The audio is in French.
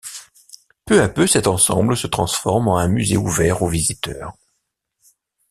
Peu à peu, cet ensemble se transforme en un musée ouvert aux visiteurs.